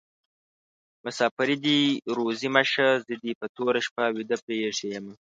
مسافري دي روزي مشه: زه دي په توره شپه ويده پریښي يمه